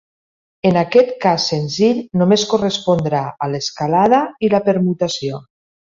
En aquest cas senzill només correspondrà a l'escalada i la permutació.